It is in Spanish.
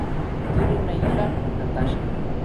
Tiene una hija, Natasha.